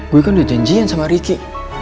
gue kan di janjian sama riki